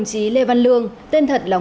đồng chí lê văn lương tên thật là nguyễn công